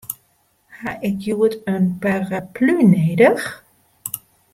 Ha ik hjoed in paraplu nedich?